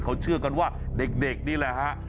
เขาเชื่อกันว่าเด็กนี่แหละฮะ